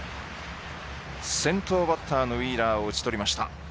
先頭バッターのウィーラーを打ち取りました。